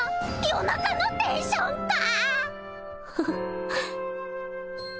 夜中のテンションか！